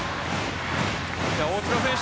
大塚選手